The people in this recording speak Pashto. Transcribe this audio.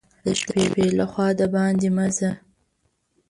د شپې له خوا دباندي مه ځه !